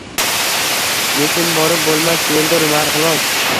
Nechun borib bo‘lmas yo‘ldir Marg‘ilon?!“